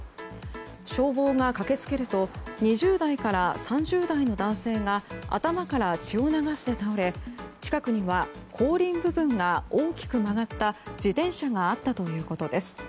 消防が駆け付けると２０代から３０代の男性が頭から血を流して倒れ近くには、後輪部分が大きく曲がった自転車があったということです。